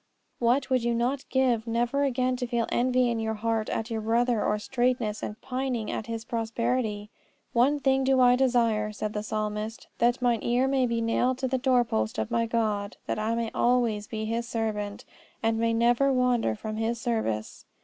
What would you not give never again to feel envy in your heart at your brother, or straitness and pining at his prosperity? One thing do I desire, said the Psalmist, that mine ear may be nailed to the doorpost of my God: that I may always be His servant, and may never wander from His service.